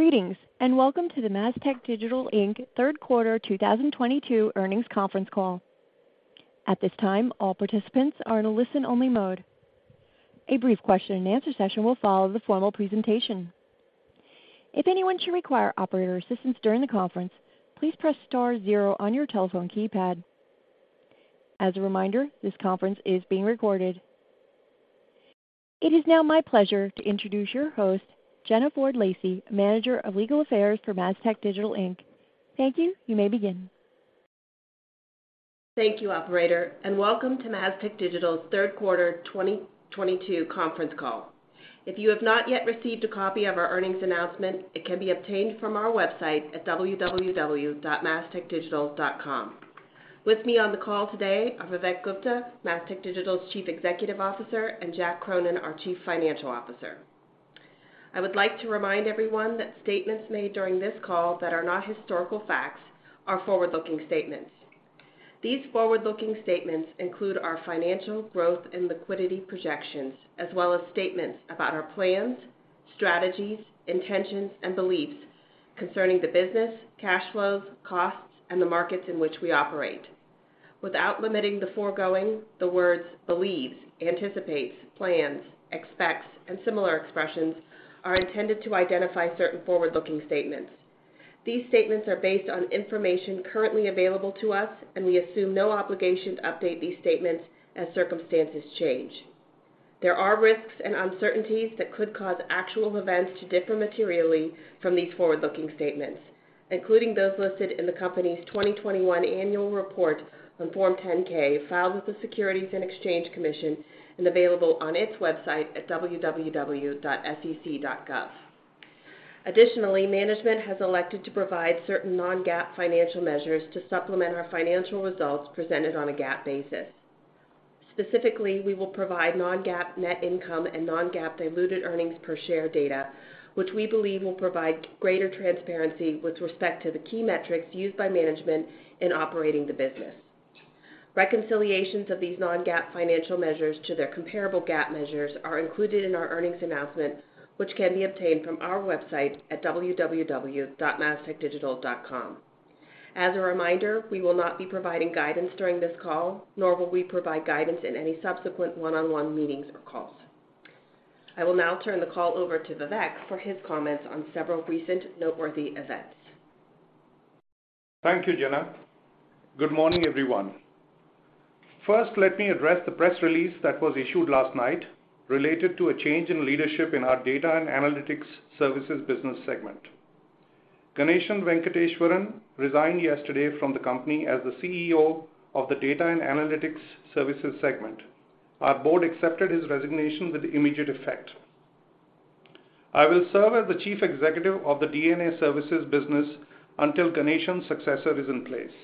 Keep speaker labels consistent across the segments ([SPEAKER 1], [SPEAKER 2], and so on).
[SPEAKER 1] Greetings, and welcome to the Mastech Digital, Inc., third quarter 2022 earnings conference call. At this time, all participants are in a listen-only mode. A brief question-and-answer session will follow the formal presentation. If anyone should require operator assistance during the conference, please press star zero on your telephone keypad. As a reminder, this conference is being recorded. It is now my pleasure to introduce your host, Jenna Ford Lacey, Manager of Legal Affairs for Mastech Digital, Inc. Thank you. You may begin.
[SPEAKER 2] Thank you, operator, and welcome to Mastech Digital's third quarter 2022 conference call. If you have not yet received a copy of our earnings announcement, it can be obtained from our website at www.mastechdigital.com. With me on the call today are Vivek Gupta, Mastech Digital's Chief Executive Officer, and Jack Cronin, our Chief Financial Officer. I would like to remind everyone that statements made during this call that are not historical facts are forward-looking statements. These forward-looking statements include our financial growth and liquidity projections, as well as statements about our plans, strategies, intentions, and beliefs concerning the business, cash flows, costs, and the markets in which we operate. Without limiting the foregoing, the words believes, anticipates, plans, expects, and similar expressions are intended to identify certain forward-looking statements. These statements are based on information currently available to us, and we assume no obligation to update these statements as circumstances change. There are risks and uncertainties that could cause actual events to differ materially from these forward-looking statements, including those listed in the company's 2021 annual report on Form 10-K filed with the Securities and Exchange Commission and available on its website at www.sec.gov. Additionally, management has elected to provide certain non-GAAP financial measures to supplement our financial results presented on a GAAP basis. Specifically, we will provide non-GAAP net income and non-GAAP diluted earnings per share data, which we believe will provide greater transparency with respect to the key metrics used by management in operating the business. Reconciliations of these non-GAAP financial measures to their comparable GAAP measures are included in our earnings announcement, which can be obtained from our website at www.mastechdigital.com. As a reminder, we will not be providing guidance during this call, nor will we provide guidance in any subsequent one-on-one meetings or calls. I will now turn the call over to Vivek for his comments on several recent noteworthy events.
[SPEAKER 3] Thank you, Jenna. Good morning, everyone. First, let me address the press release that was issued last night related to a change in leadership in our Data and Analytics Services business segment. Ganeshan Venkateshwaran resigned yesterday from the company as the CEO of the Data and Analytics Services segment. Our Board accepted his resignation with immediate effect. I will serve as the Chief Executive of the D&A services business until Ganesan's successor is in place.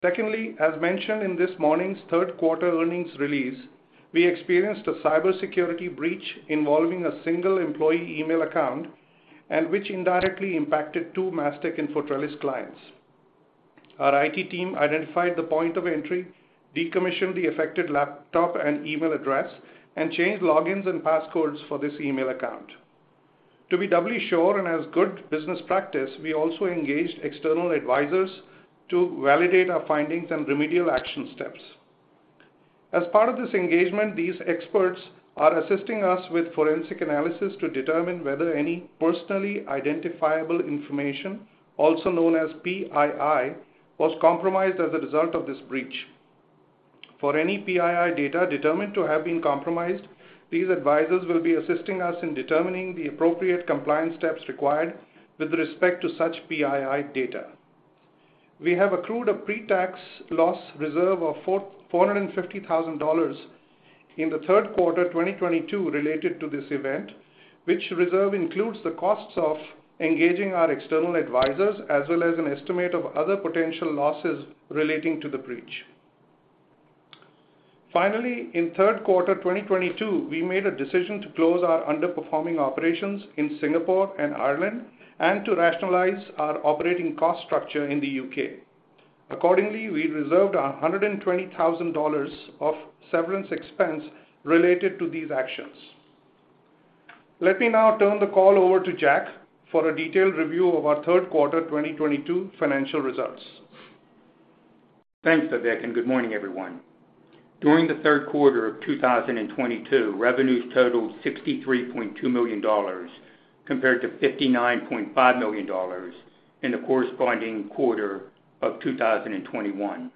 [SPEAKER 3] Secondly, as mentioned in this morning's third quarter earnings release, we experienced a cybersecurity breach involving a single employee email account and which indirectly impacted two Mastech InfoTrellis clients. Our IT team identified the point of entry, decommissioned the affected laptop and email address, and changed logins and passcodes for this email account. To be doubly sure, and as good business practice, we also engaged external advisors to validate our findings and remedial action steps. As part of this engagement, these experts are assisting us with forensic analysis to determine whether any personally identifiable information, also known as PII, was compromised as a result of this breach. For any PII data determined to have been compromised, these advisors will be assisting us in determining the appropriate compliance steps required with respect to such PII data. We have accrued a pre-tax loss reserve of $450,000 in the third quarter 2022 related to this event, which reserve includes the costs of engaging our external advisors as well as an estimate of other potential losses relating to the breach. Finally, in third quarter 2022, we made a decision to close our underperforming operations in Singapore and Ireland and to rationalize our operating cost structure in the U.K. Accordingly, we reserved $120,000 of severance expense related to these actions. Let me now turn the call over to Jack for a detailed review of our third quarter 2022 financial results.
[SPEAKER 4] Thanks, Vivek, and good morning, everyone. During the third quarter of 2022, revenues totaled $63.2 million, compared to $59.5 million in the corresponding quarter of 2021.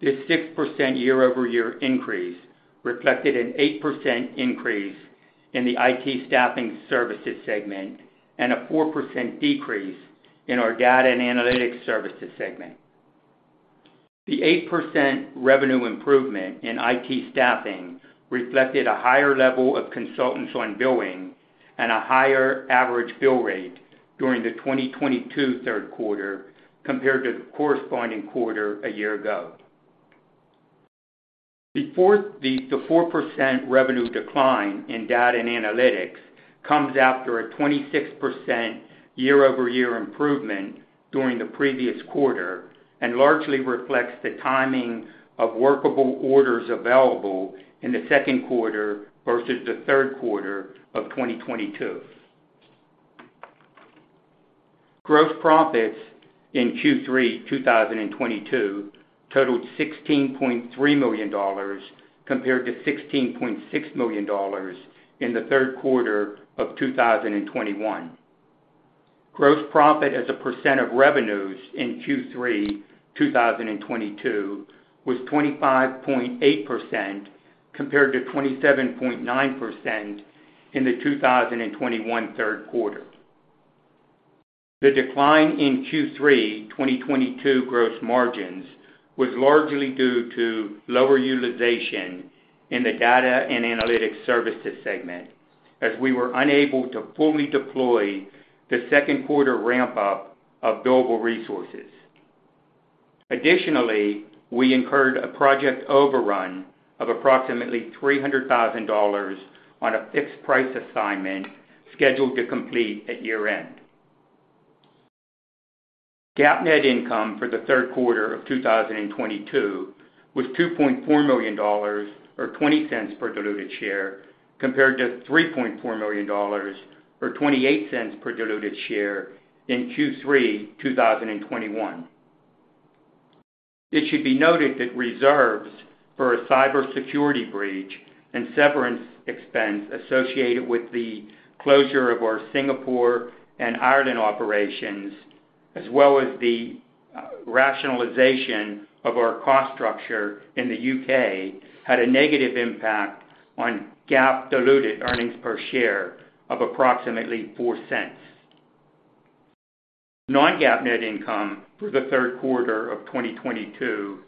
[SPEAKER 4] This 6% year-over-year increase reflected an 8% increase in the IT Staffing Services segment and a 4% decrease in our Data and Analytics Services segment. The 8% revenue improvement in IT Staffing reflected a higher level of consultants on billing and a higher average bill rate during the 2022 third quarter compared to the corresponding quarter a year ago. The four percent revenue decline in Data and Analytics comes after a 26% year-over-year improvement during the previous quarter and largely reflects the timing of workable orders available in the second quarter versus the third quarter of 2022. Gross profits in Q3 2022 totaled $16.3 million compared to $16.6 million in the third quarter of 2021. Gross profit as a percent of revenues in Q3 2022 was 25.8% compared to 27.9% in the 2021 third quarter. The decline in Q3 2022 gross margins was largely due to lower utilization in the Data and Analytics Services segment, as we were unable to fully deploy the second quarter ramp up of billable resources. Additionally, we incurred a project overrun of approximately $300,000 on a fixed price assignment scheduled to complete at year-end. GAAP net income for the third quarter of 2022 was $2.4 million, or $0.20 per diluted share, compared to $3.4 million, or $0.28 per diluted share in Q3 2021. It should be noted that reserves for a cybersecurity breach and severance expense associated with the closure of our Singapore and Ireland operations, as well as the rationalization of our cost structure in the U.K., had a negative impact on GAAP diluted earnings per share of approximately $0.04. Non-GAAP net income for the third quarter of 2022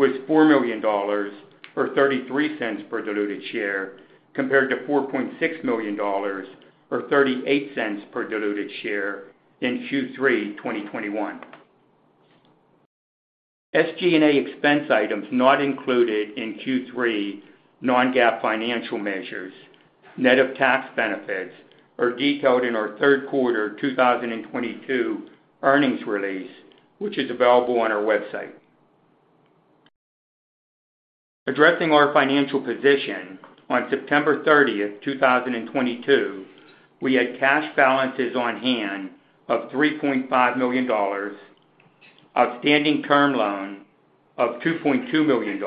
[SPEAKER 4] was $4 million or $0.33 per diluted share, compared to $4.6 million or $0.38 per diluted share in Q3 2021. SG&A expense items not included in Q3 non-GAAP financial measures, net of tax benefits, are detailed in our third quarter 2022 earnings release, which is available on our website. Addressing our financial position on September 30th, 2022, we had cash balances on hand of $3.5 million, outstanding term loan of $2.2 million,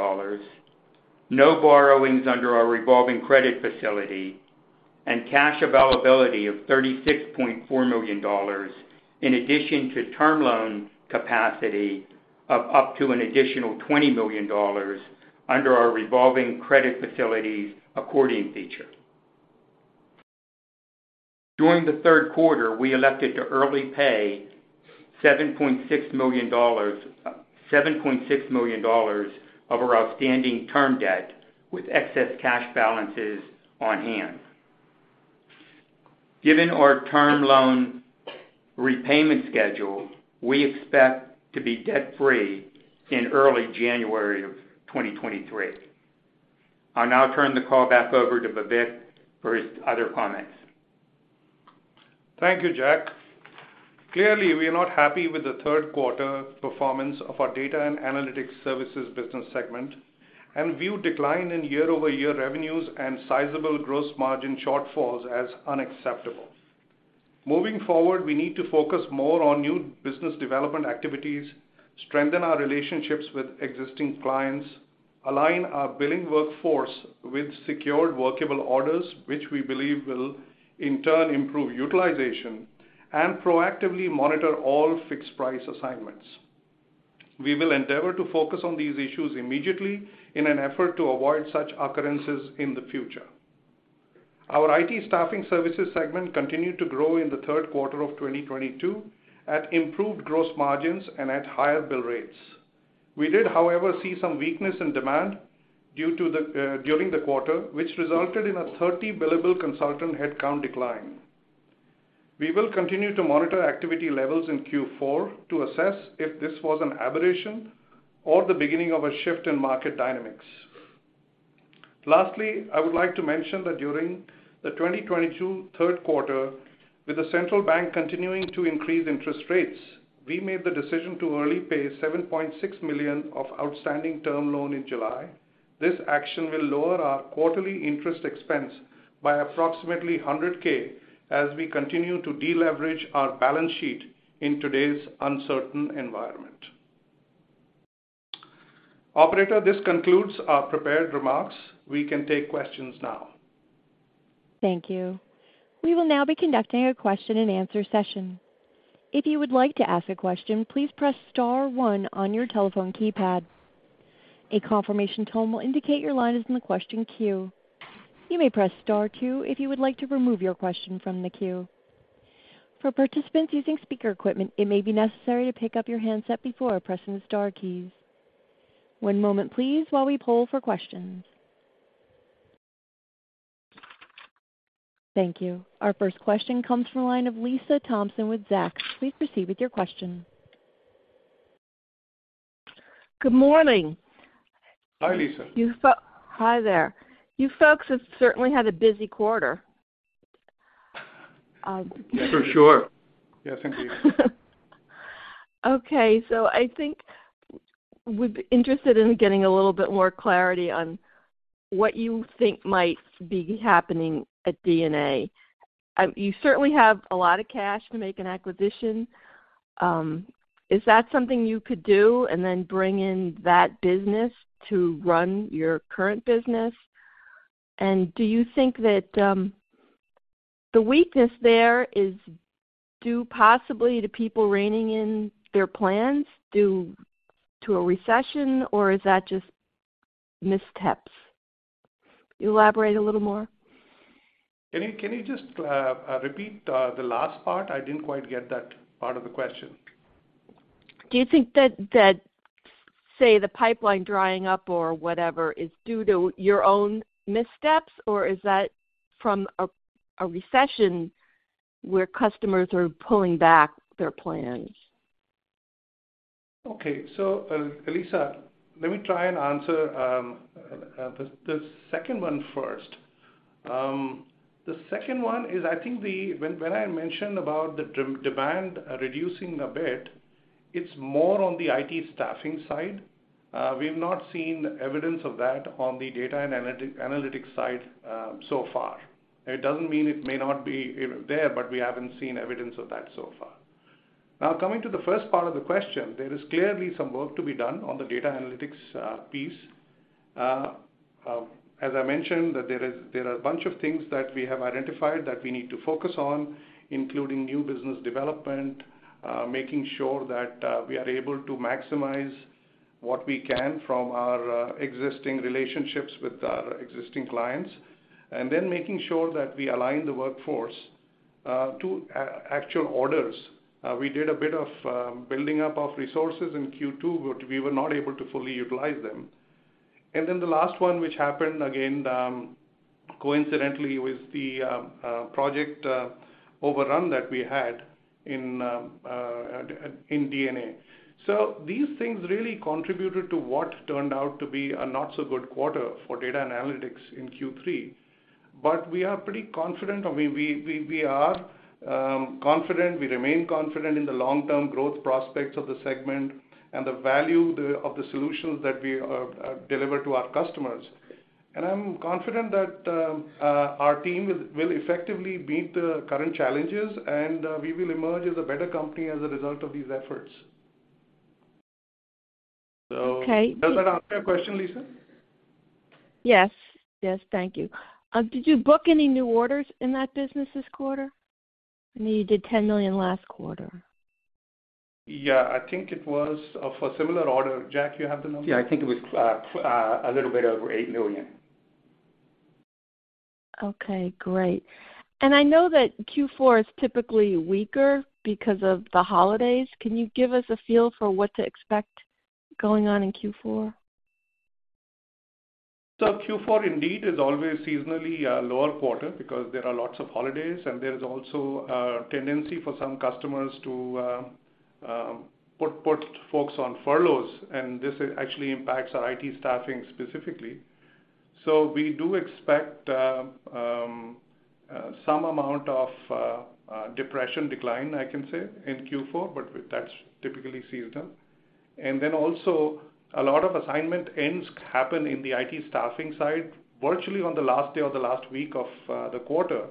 [SPEAKER 4] no borrowings under our revolving credit facility, and cash availability of $36.4 million, in addition to term loan capacity of up to an additional $20 million under our revolving credit facility's accordion feature. During the third quarter, we elected to early pay $7.6 million of our outstanding term debt with excess cash balances on hand. Given our term loan repayment schedule, we expect to be debt-free in early January 2023. I'll now turn the call back over to Vivek for his other comments.
[SPEAKER 3] Thank you, Jack. Clearly, we are not happy with the third quarter performance of our Data and Analytics Services business segment and view decline in year-over-year revenues and sizable gross margin shortfalls as unacceptable. Moving forward, we need to focus more on new business development activities, strengthen our relationships with existing clients, align our billing workforce with secured workable orders, which we believe will in turn improve utilization, and proactively monitor all fixed price assignments. We will endeavor to focus on these issues immediately in an effort to avoid such occurrences in the future. Our IT Staffing Services segment continued to grow in the third quarter of 2022 at improved gross margins and at higher bill rates. We did, however, see some weakness in demand during the quarter, which resulted in a 30 billable consultant headcount decline. We will continue to monitor activity levels in Q4 to assess if this was an aberration or the beginning of a shift in market dynamics. Lastly, I would like to mention that during the 2022 third quarter, with the central bank continuing to increase interest rates, we made the decision to prepay $7.6 million of outstanding term loan in July. This action will lower our quarterly interest expense by approximately $100,000 as we continue to deleverage our balance sheet in today's uncertain environment. Operator, this concludes our prepared remarks. We can take questions now.
[SPEAKER 1] Thank you. We will now be conducting a question and answer session. If you would like to ask a question, please press star one on your telephone keypad. A confirmation tone will indicate your line is in the question queue. You may press star two if you would like to remove your question from the queue. For participants using speaker equipment, it may be necessary to pick up your handset before pressing the star keys. One moment please while we poll for questions. Thank you. Our first question comes from the line of Lisa Thompson with Zacks. Please proceed with your question.
[SPEAKER 5] Good morning.
[SPEAKER 3] Hi, Lisa.
[SPEAKER 5] Hi there. You folks have certainly had a busy quarter.
[SPEAKER 3] For sure. Yes, indeed.
[SPEAKER 5] Okay. I think we'd be interested in getting a little bit more clarity on what you think might be happening at D&A. You certainly have a lot of cash to make an acquisition. Is that something you could do and then bring in that business to run your current business? Do you think that the weakness there is due possibly to people reining in their plans due to a recession, or is that just missteps? Elaborate a little more.
[SPEAKER 3] Can you just repeat the last part? I didn't quite get that part of the question.
[SPEAKER 5] Do you think that, say, the pipeline drying up or whatever is due to your own missteps, or is that from a recession where customers are pulling back their plans?
[SPEAKER 3] Okay. Lisa, let me try and answer the second one first. The second one is I think when I mentioned about the demand reducing a bit, it's more on the IT Staffing side. We've not seen evidence of that on the Data and Analytics side so far. It doesn't mean it may not be, you know, there, but we haven't seen evidence of that so far. Now, coming to the first part of the question, there is clearly some work to be done on the data analytics piece. As I mentioned, there are a bunch of things that we have identified that we need to focus on, including new business development, making sure that we are able to maximize what we can from our existing relationships with our existing clients, and then making sure that we align the workforce to actual orders. We did a bit of building up of resources in Q2, but we were not able to fully utilize them. Then the last one which happened again, coincidentally with the project overrun that we had in D&A. These things really contributed to what turned out to be a not-so-good quarter for data analytics in Q3. We are pretty confident, we remain confident in the long-term growth prospects of the segment and the value of the solutions that we deliver to our customers. I'm confident that our team will effectively meet the current challenges, and we will emerge as a better company as a result of these efforts.
[SPEAKER 5] Okay.
[SPEAKER 3] Does that answer your question, Lisa?
[SPEAKER 5] Yes. Yes, thank you. Did you book any new orders in that business this quarter? I know you did $10 million last quarter.
[SPEAKER 3] Yeah. I think it was of a similar order. Jack, do you have the number?
[SPEAKER 4] Yeah. I think it was a little bit over $8 million.
[SPEAKER 5] Okay, great. I know that Q4 is typically weaker because of the holidays. Can you give us a feel for what to expect going on in Q4?
[SPEAKER 3] Q4 indeed is always seasonally a lower quarter because there are lots of holidays, and there's also a tendency for some customers to put folks on furloughs, and this actually impacts our IT Staffing specifically. We do expect some amount of decline, I can say, in Q4, but that's typically seasonal. A lot of assignment ends happen in the IT Staffing side virtually on the last day or the last week of the quarter,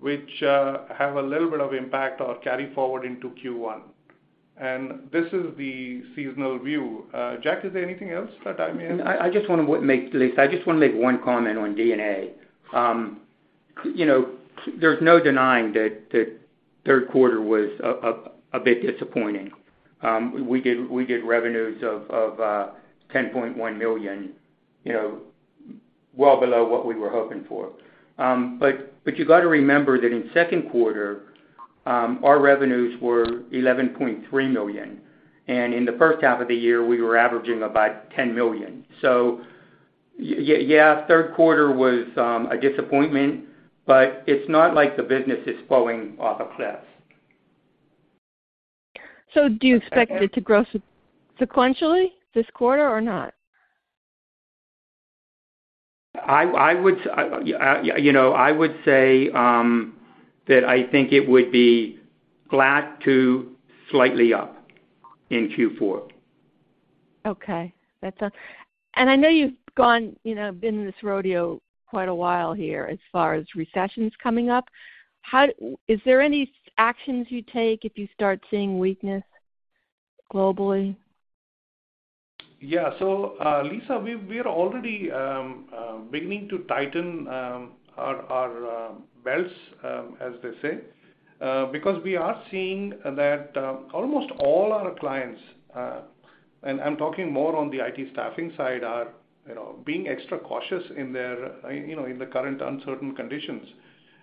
[SPEAKER 3] which have a little bit of impact or carry forward into Q1. This is the seasonal view. Jack, is there anything else that I may have?
[SPEAKER 4] I just wanna make, Lisa, one comment on D&A. You know, there's no denying that third quarter was a bit disappointing. We did revenues of $10.1 million, you know, well below what we were hoping for. But you gotta remember that in second quarter, our revenues were $11.3 million, and in the first half of the year, we were averaging about $10 million. Yeah, third quarter was a disappointment, but it's not like the business is falling off a cliff.
[SPEAKER 5] Do you expect it to grow sequentially this quarter or not?
[SPEAKER 4] I would say, you know, that I think it would be flat to slightly up in Q4.
[SPEAKER 5] I know you've gone, you know, been in this rodeo quite a while here as far as recessions coming up. Is there any actions you take if you start seeing weakness globally?
[SPEAKER 3] Yeah. Lisa, we are already beginning to tighten our belts, as they say, because we are seeing that almost all our clients, and I'm talking more on the IT Staffing side, are, you know, being extra cautious in their, you know, in the current uncertain conditions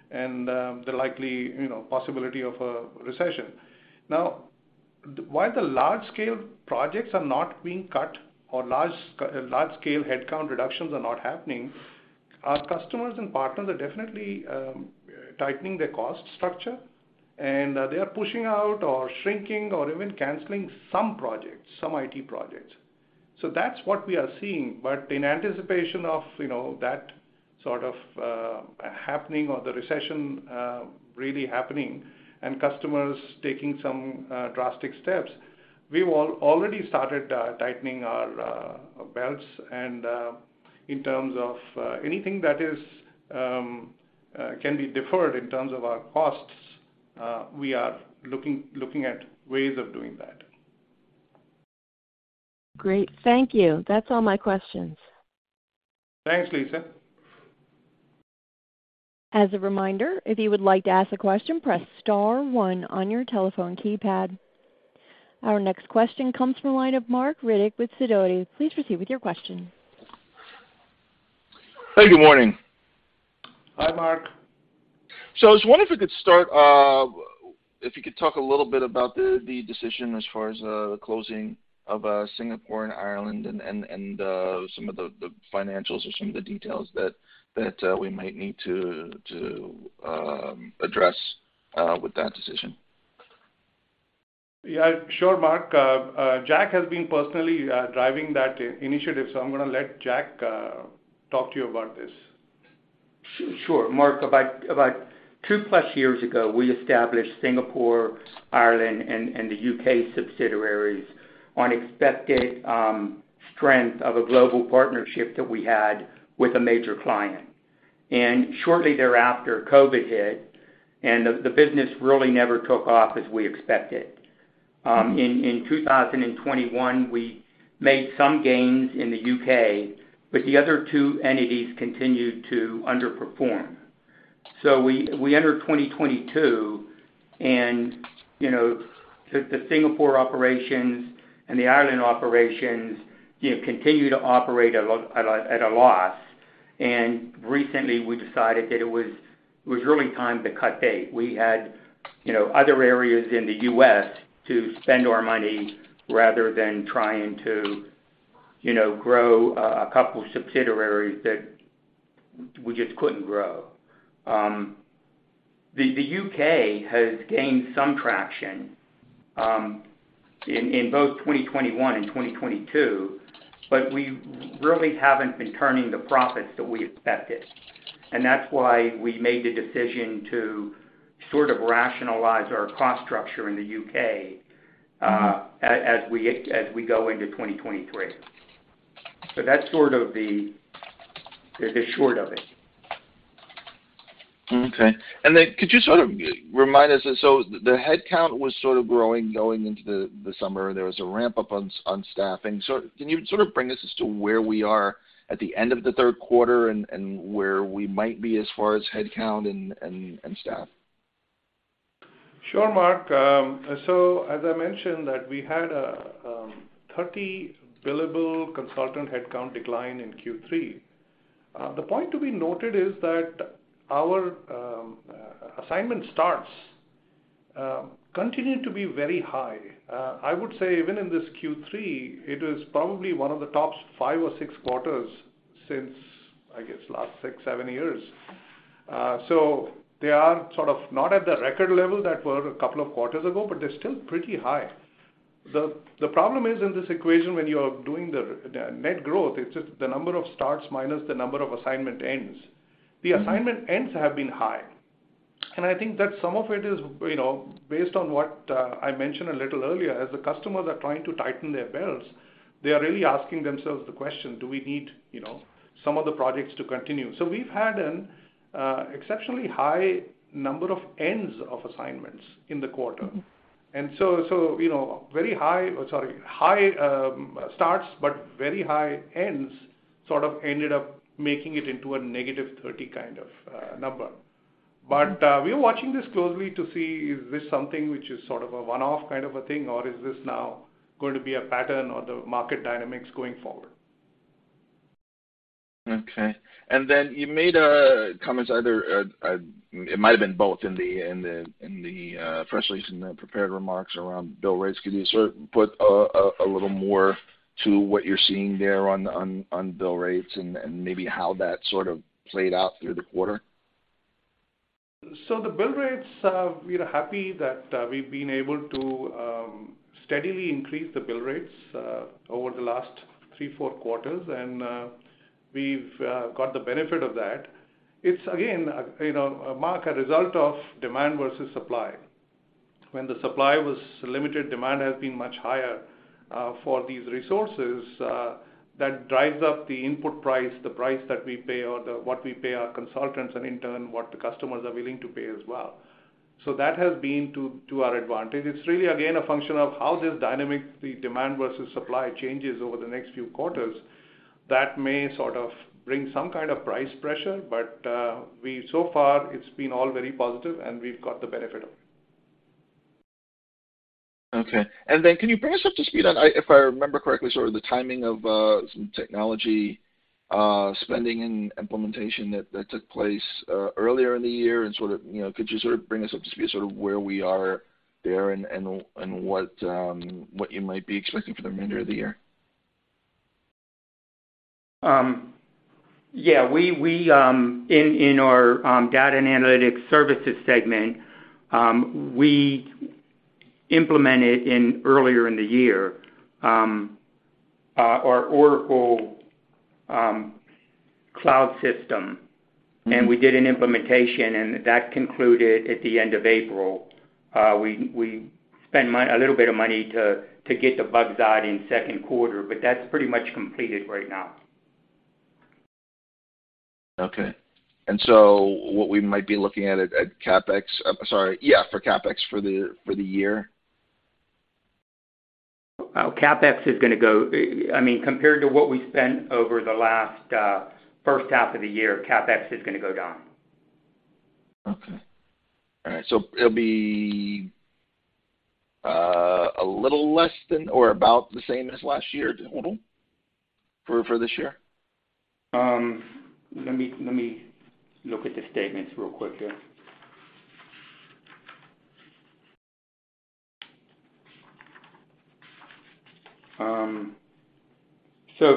[SPEAKER 3] and the likely, you know, possibility of a recession. Now, while the large scale projects are not being cut or large scale headcount reductions are not happening. Our customers and partners are definitely tightening their cost structure, and they are pushing out or shrinking or even canceling some projects, some IT projects. That's what we are seeing. In anticipation of, you know, that sort of happening or the recession really happening and customers taking some drastic steps, we've already started tightening our belts and in terms of anything that is can be deferred in terms of our costs, we are looking at ways of doing that.
[SPEAKER 5] Great. Thank you. That's all my questions.
[SPEAKER 3] Thanks, Lisa.
[SPEAKER 1] As a reminder, if you would like to ask a question, press star one on your telephone keypad. Our next question comes from the line of Marc Riddick with Sidoti. Please proceed with your question.
[SPEAKER 6] Hey, good morning.
[SPEAKER 3] Hi, Marc.
[SPEAKER 6] I was wondering if you could talk a little bit about the decision as far as the closing of Singapore and Ireland and some of the financials or some of the details that we might need to address with that decision.
[SPEAKER 3] Yeah, sure, Marc. Jack has been personally driving that initiative, so I'm gonna let Jack talk to you about this.
[SPEAKER 4] Sure. Marc, about 2+ years ago, we established Singapore, Ireland, and the U.K. subsidiaries on expected strength of a global partnership that we had with a major client. Shortly thereafter, COVID hit, and the business really never took off as we expected. In 2021, we made some gains in the U.K., but the other two entities continued to underperform. We entered 2022, and you know, the Singapore operations and the Ireland operations, you know, continued to operate at a loss. Recently we decided that it was really time to cut bait. We had, you know, other areas in the U.S. to spend our money rather than trying to, you know, grow a couple subsidiaries that we just couldn't grow. The U.K. has gained some traction in both 2021 and 2022, but we really haven't been turning the profits that we expected. That's why we made the decision to sort of rationalize our cost structure in the U.K. as we go into 2023. That's sort of the short of it.
[SPEAKER 6] Okay. Could you sort of remind us, so the headcount was sort of growing going into the summer, and there was a ramp-up on staffing. Can you sort of bring us as to where we are at the end of the third quarter and where we might be as far as headcount and staff?
[SPEAKER 3] Sure, Marc. As I mentioned, we had a 30 billable consultant headcount decline in Q3. The point to be noted is that our assignment starts continued to be very high. I would say even in this Q3, it was probably one of the top five or six quarters since, I guess, last six, seven years. They are sort of not at the record level that were a couple of quarters ago, but they're still pretty high. The problem is in this equation, when you are doing the net growth, it's just the number of starts minus the number of assignment ends. The assignment ends have been high. I think that some of it is, you know, based on what I mentioned a little earlier, as the customers are trying to tighten their belts, they are really asking themselves the question, do we need, you know, some of the projects to continue? We've had an exceptionally high number of ends of assignments in the quarter. You know, very high starts but very high ends sort of ended up making it into a -30 kind of number. We are watching this closely to see is this something which is sort of a one-off kind of a thing, or is this now going to be a pattern or the market dynamics going forward?
[SPEAKER 6] Okay. Then you made a comment either, it might have been both in the press release and the prepared remarks around bill rates. Could you sort of put a little more to what you're seeing there on bill rates and maybe how that sort of played out through the quarter?
[SPEAKER 3] The bill rates, we're happy that we've been able to steadily increase the bill rates over the last three, four quarters, and we've got the benefit of that. It's again, you know, Marc, a result of demand versus supply. When the supply was limited, demand has been much higher for these resources that drives up the input price, the price that we pay, or what we pay our consultants and in turn, what the customers are willing to pay as well. That has been to our advantage. It's really again a function of how this dynamic, the demand versus supply changes over the next few quarters. That may sort of bring some kind of price pressure, but so far it's been all very positive, and we've got the benefit of it.
[SPEAKER 6] Okay. Can you bring us up to speed on, if I remember correctly, sort of the timing of some technology spending and implementation that took place earlier in the year and sort of, you know, could you sort of bring us up to speed sort of where we are there and what you might be expecting for the remainder of the year?
[SPEAKER 4] Yeah, in our Data and Analytics Services segment, we implemented earlier in the year our Oracle cloud system.
[SPEAKER 6] Mm-hmm.
[SPEAKER 4] We did an implementation, and that concluded at the end of April. We spent a little bit of money to get the bugs out in second quarter, but that's pretty much completed right now.
[SPEAKER 6] Okay. What we might be looking at CapEx, sorry, yeah, for CapEx for the year?
[SPEAKER 4] CapEx is gonna go, I mean, compared to what we spent over the last first half of the year, CapEx is gonna go down.
[SPEAKER 6] Okay. All right. It'll be a little less than or about the same as last year total for this year?
[SPEAKER 4] Let me look at the statements real quick here.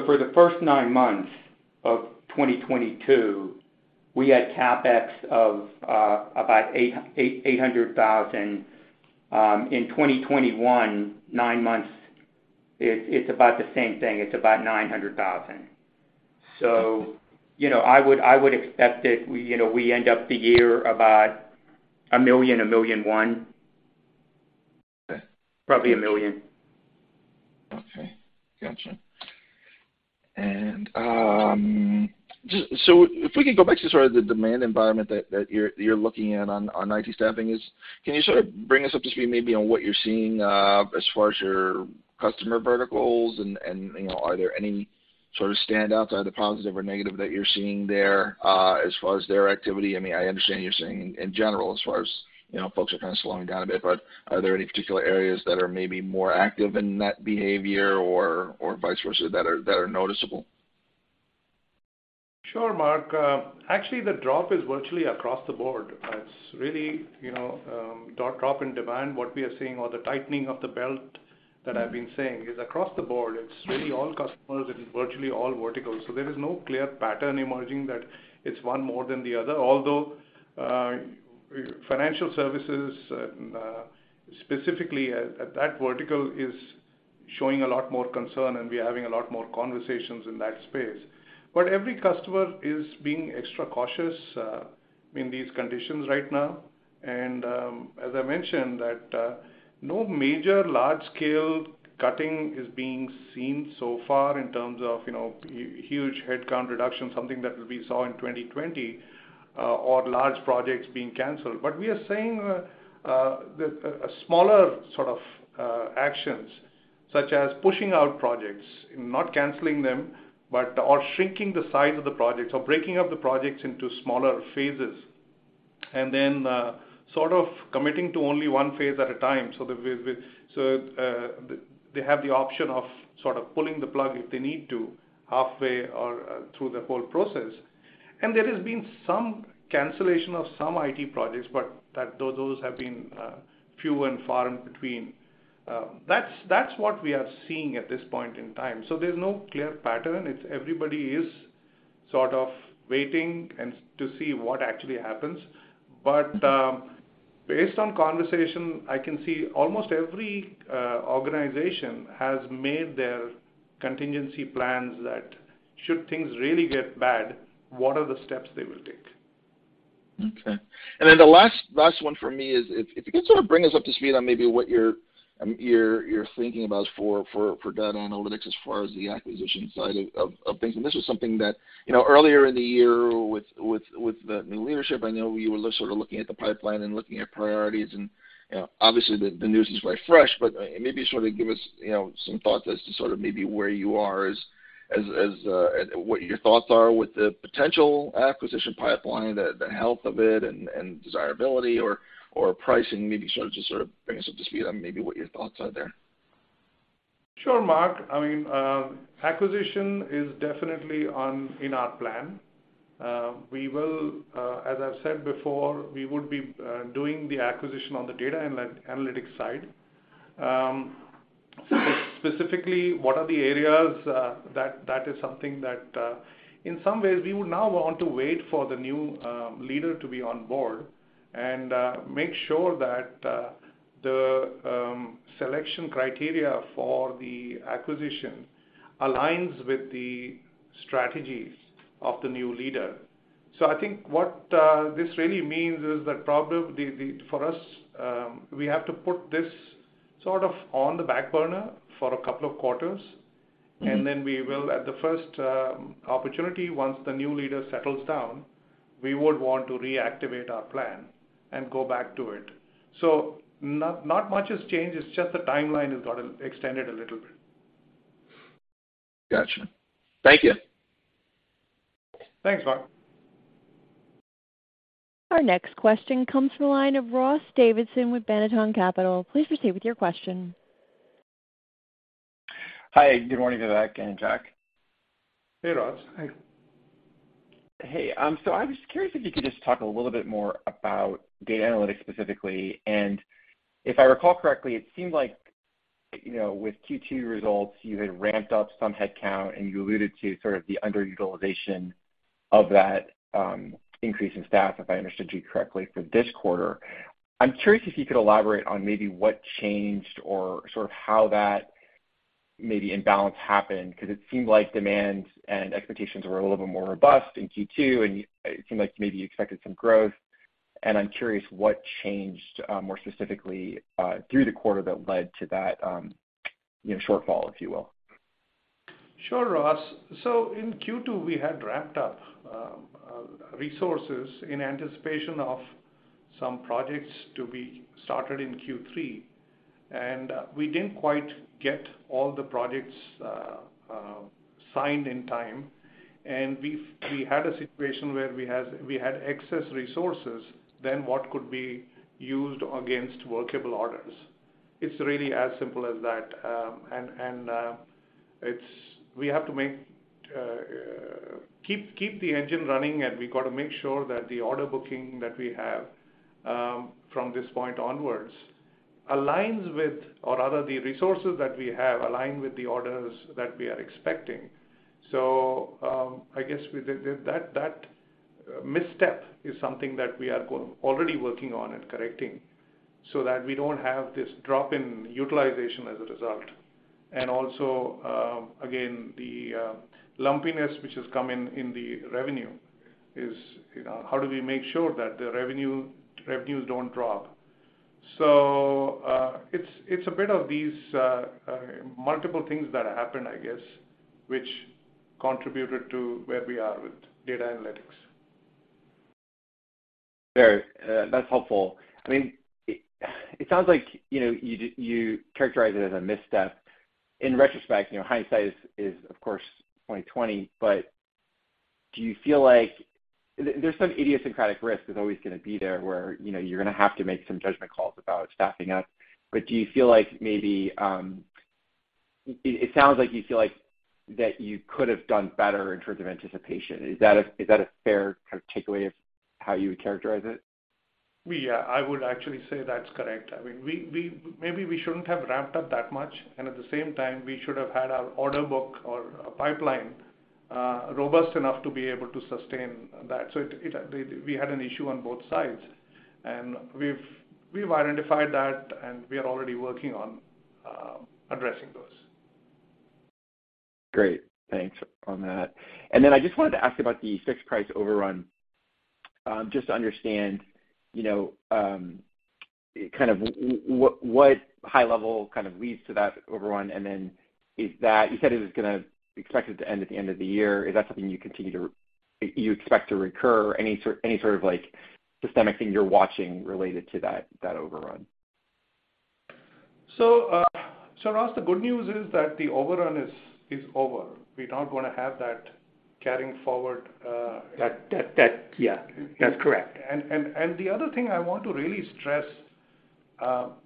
[SPEAKER 4] For the first nine months of 2022, we had CapEx of about $800,000. In 2021, nine months, it's about the same thing. It's about $900,000. You know, I would expect that we, you know, we end up the year about $1 million-$1.1 million.
[SPEAKER 6] Okay.
[SPEAKER 4] Probably $1 million.
[SPEAKER 6] Okay. Gotcha. Just so if we could go back to sort of the demand environment that you're looking in on IT Staffing, can you sort of bring us up to speed maybe on what you're seeing as far as your customer verticals and, you know, are there any sort of standouts, either positive or negative, that you're seeing there as far as their activity? I mean, I understand you're seeing in general as far as, you know, folks are kinda slowing down a bit, but are there any particular areas that are maybe more active in that behavior or vice versa that are noticeable?
[SPEAKER 3] Sure, Marc. Actually, the drop is virtually across the board. It's really, you know, drop in demand, what we are seeing or the tightening of the belt that I've been saying is across the board. It's really all customers and virtually all verticals. There is no clear pattern emerging that it's one more than the other. Although, financial services and, specifically at that vertical is showing a lot more concern, and we're having a lot more conversations in that space. Every customer is being extra cautious in these conditions right now. As I mentioned that, no major large-scale cutting is being seen so far in terms of, you know, huge headcount reduction, something that we saw in 2020, or large projects being canceled. We are seeing a smaller sort of actions, such as pushing out projects, not canceling them, but or shrinking the size of the projects or breaking up the projects into smaller phases and then sort of committing to only one phase at a time so that they have the option of sort of pulling the plug if they need to halfway or through the whole process. There has been some cancellation of some IT projects, but those have been few and far between. That's what we are seeing at this point in time. There's no clear pattern. It's everybody is sort of waiting and to see what actually happens. based on conversation, I can see almost every organization has made their contingency plans that should things really get bad. What are the steps they will take?
[SPEAKER 6] Okay. Then the last one for me is if you could sort of bring us up to speed on maybe what you're thinking about for Data and Analytics as far as the acquisition side of things. This was something that, you know, earlier in the year with the new leadership, I know you were sort of looking at the pipeline and looking at priorities and, you know, obviously the news is very fresh, but maybe sort of give us, you know, some thought as to sort of maybe where you are as what your thoughts are with the potential acquisition pipeline, the health of it and desirability or pricing. Maybe sort of just sort of bring us up to speed on maybe what your thoughts are there.
[SPEAKER 3] Sure, Marc. I mean, acquisition is definitely on in our plan. We will, as I've said before, we would be doing the acquisition on the data analytics side. Specifically, what are the areas that is something that in some ways, we would now want to wait for the new leader to be on board and make sure that the selection criteria for the acquisition aligns with the strategies of the new leader. I think what this really means is that probably the for us, we have to put this sort of on the back burner for a couple of quarters, and then we will at the first opportunity, once the new leader settles down, we would want to reactivate our plan and go back to it. Not much has changed, it's just the timeline has gotten extended a little bit.
[SPEAKER 6] Gotcha. Thank you.
[SPEAKER 3] Thanks, Marc.
[SPEAKER 1] Our next question comes from the line of Ross Davidson with Banneton Capital. Please proceed with your question.
[SPEAKER 7] Hi, good morning, Vivek and Jack.
[SPEAKER 3] Hey, Ross.
[SPEAKER 4] Hey.
[SPEAKER 7] Hey. I was curious if you could just talk a little bit more about data analytics specifically. If I recall correctly, it seemed like, you know, with Q2 results, you had ramped up some headcount, and you alluded to sort of the underutilization of that, increase in staff, if I understood you correctly for this quarter. I'm curious if you could elaborate on maybe what changed or sort of how that maybe imbalance happened. 'Cause it seemed like demand and expectations were a little bit more robust in Q2, and it seemed like maybe you expected some growth. I'm curious what changed, more specifically, through the quarter that led to that, you know, shortfall, if you will.
[SPEAKER 3] Sure, Ross. In Q2, we had ramped up resources in anticipation of some projects to be started in Q3. We didn't quite get all the projects signed in time. We had a situation where we had excess resources than what could be used against workable orders. It's really as simple as that. We have to keep the engine running, and we've gotta make sure that the order booking that we have from this point onwards aligns with or rather the resources that we have align with the orders that we are expecting. I guess we did that misstep is something that we are already working on and correcting so that we don't have this drop in utilization as a result. Also, again, the lumpiness which is coming in the revenue is, you know, how do we make sure that the revenues don't drop. It's a bit of these multiple things that happened, I guess, which contributed to where we are with data analytics.
[SPEAKER 7] Fair. That's helpful. I mean, it sounds like, you know, you characterize it as a misstep. In retrospect, you know, hindsight is of course 20/20. Do you feel like there's some idiosyncratic risk that's always gonna be there, where, you know, you're gonna have to make some judgment calls about staffing up. Do you feel like maybe it sounds like you feel like that you could have done better in terms of anticipation. Is that a fair kind of takeaway of how you would characterize it?
[SPEAKER 3] I would actually say that's correct. I mean, maybe we shouldn't have ramped up that much, and at the same time, we should have had our order book or pipeline robust enough to be able to sustain that. We had an issue on both sides. We've identified that, and we are already working on addressing those.
[SPEAKER 7] Great. Thanks on that. I just wanted to ask about the fixed price overrun, just to understand, you know, kind of what high level kind of leads to that overrun, and then is that expected to end at the end of the year. Is that something you expect to recur? Any sort of like systemic thing you're watching related to that overrun?
[SPEAKER 3] Ross, the good news is that the overrun is over. We're not gonna have that carrying forward.
[SPEAKER 4] Yeah, that's correct.
[SPEAKER 3] The other thing I want to really stress,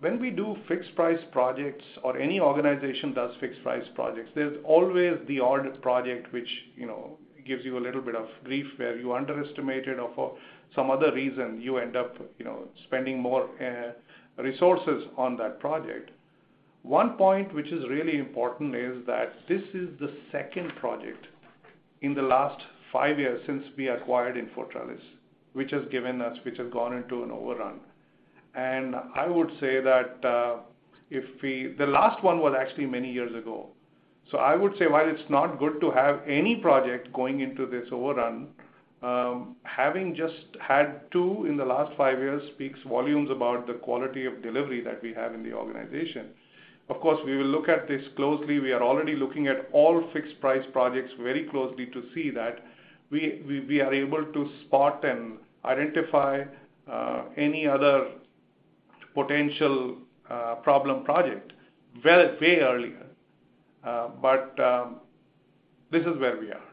[SPEAKER 3] when we do fixed price projects or any organization does fixed price projects, there's always the odd project which, you know, gives you a little bit of grief where you underestimated or for some other reason you end up, you know, spending more resources on that project. One point which is really important is that this is the second project in the last five years since we acquired InfoTrellis, which has given us, which has gone into an overrun. I would say that the last one was actually many years ago. I would say while it's not good to have any project going into this overrun, having just had two in the last five years speaks volumes about the quality of delivery that we have in the organization. Of course, we will look at this closely. We are already looking at all fixed price projects very closely to see that we are able to spot and identify any other potential problem project way earlier. This is where we are.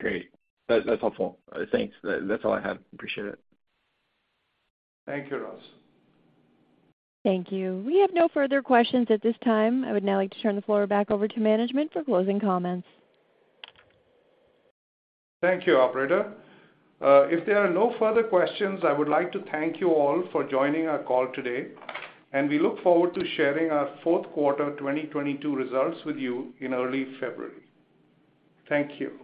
[SPEAKER 7] Great. That's helpful. Thanks. That's all I had. Appreciate it.
[SPEAKER 3] Thank you, Ross.
[SPEAKER 1] Thank you. We have no further questions at this time. I would now like to turn the floor back over to management for closing comments.
[SPEAKER 3] Thank you, operator. If there are no further questions, I would like to thank you all for joining our call today, and we look forward to sharing our fourth quarter 2022 results with you in early February. Thank you.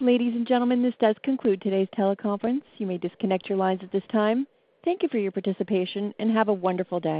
[SPEAKER 1] Ladies and gentlemen, this does conclude today's teleconference. You may disconnect your lines at this time. Thank you for your participation, and have a wonderful day.